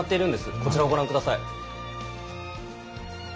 こちらをご覧ください。